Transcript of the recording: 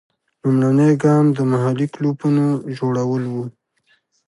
لومړنی ګام د محلي کلوپونو جوړول وو.